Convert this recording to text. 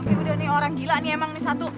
ini udah nih orang gila nih emang nih satu